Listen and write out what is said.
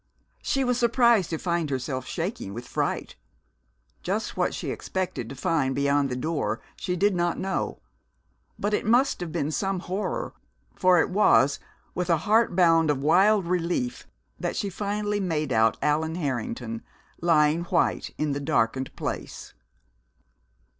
She was surprised to find herself shaking with fright. Just what she expected to find beyond the door she did not know, but it must have been some horror, for it was with a heart bound of wild relief that she finally made out Allan Harrington, lying white in the darkened place.